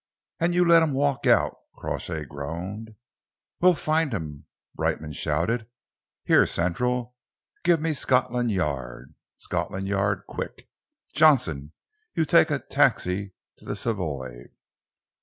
"And you let him walk out!" Crawshay groaned. "We'll find him," Brightman shouted. "Here, Central! Give me Scotland Yard. Scotland Yard, quick! Johnson, you take a taxi to the Savoy."